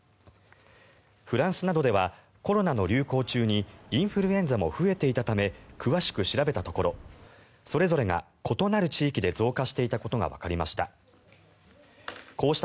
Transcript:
フランスなどではコロナの流行中にインフルエンザも増えていたため詳しく調べたところそれぞれが異なる地域で増加していたことがわかりました。